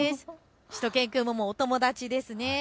しゅと犬くんもお友達ですね。